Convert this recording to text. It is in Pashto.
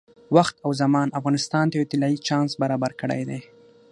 وخت او زمان افغانستان ته یو طلایي چانس برابر کړی دی.